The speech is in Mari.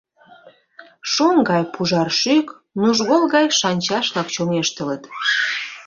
Шоҥ гай пужар шӱк, нужгол гай шанчаш-влак чоҥештылыт.